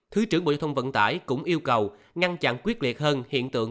thứ trưởng bộ thông vận tải cũng yêu cầu ngăn chặn quyết liệt hơn hiện tượng